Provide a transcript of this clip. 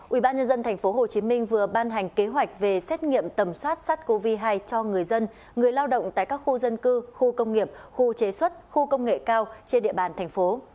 ubnd tp hcm vừa ban hành kế hoạch về xét nghiệm tầm soát sars cov hai cho người dân người lao động tại các khu dân cư khu công nghiệp khu chế xuất khu công nghệ cao trên địa bàn thành phố